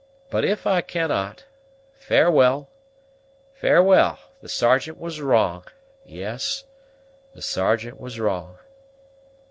But if I cannot, farewell farewell, the Sergeant was wrong, yes, the Sergeant was wrong!"